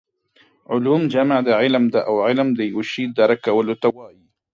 علوم جمع د علم ده او علم د یو شي درک کولو ته وايي